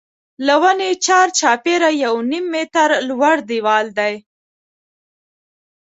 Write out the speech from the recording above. له ونې چار چاپېره یو نیم متر لوړ دیوال دی.